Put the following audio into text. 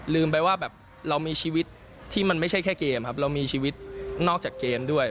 ลืมไปว่าแบบเรามีชีวิตที่มันไม่ใช่แค่เกมครับเรามีชีวิตนอกจากเกมด้วย